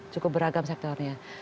cukup beragam sektornya